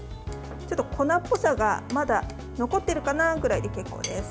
ちょっと粉っぽさがまだ残ってるかなぐらいで結構です。